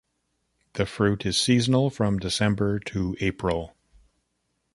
The fruit is seasonal from December to April.